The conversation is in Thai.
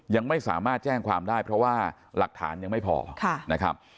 ยังไม่สามารถแจ้งความได้เพราะว่าหลักฐานยังไม่พอนะครับ